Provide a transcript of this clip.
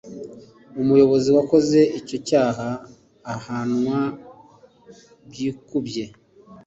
umuyobozi wakoze icyo cyaha ahanwa byikubye